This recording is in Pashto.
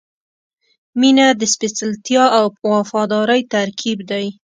• مینه د سپېڅلتیا او وفادارۍ ترکیب دی.